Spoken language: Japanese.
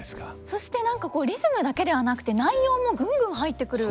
そして何かリズムだけではなくて内容もぐんぐん入ってくる。